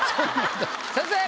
先生！